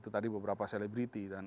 itu tadi beberapa selebriti